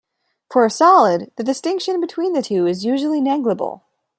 For a solid, the distinction between the two is usually negligible.